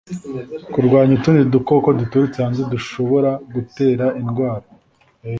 kurwanya utundi dukoko duturutse hanze dushobora gutera indwara